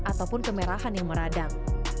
ataupun kemerahan yang meradang